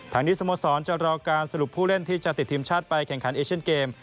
ทางนี้สโมสรจะรอการสรุปผู้เล่นที่จะติดทีมชาติไปแข่งขันเอเชียนเกม